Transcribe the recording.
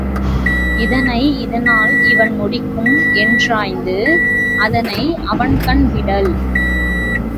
இதனை இதனால் இவன்முடிக்கும் என்றாய்ந்து அதனை அவன்கண் விடல்.